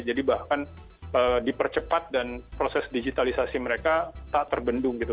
jadi bahkan dipercepat dan proses digitalisasi mereka tak terbendung gitu